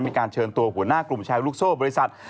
มีการเชิญตัวหัวหน้ากลุ่มชายลูกโซ่บริษัท